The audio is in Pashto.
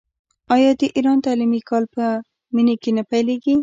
آیا د ایران تعلیمي کال په مني کې نه پیلیږي؟